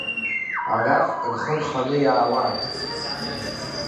Арахь рхы рханы иааиуан.